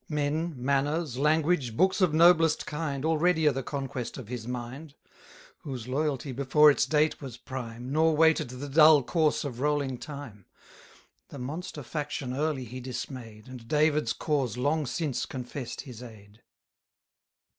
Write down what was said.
960 Men, manners, language, books of noblest kind, Already are the conquest of his mind; Whose loyalty before its date was prime, Nor waited the dull course of rolling time: The monster faction early he dismay'd, And David's cause long since confess'd his aid.